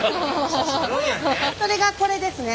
さすが。それがこれですね。